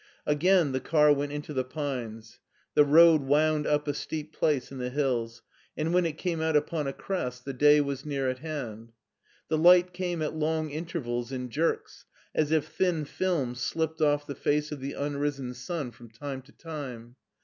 Again the car went into the pines. The road wound up a steep place in the hills, and when it came out upon a crest the day was near at hand. The light came at long intervals in jerks, as if thin films slipped off the face of the tmrisen sun from time to time.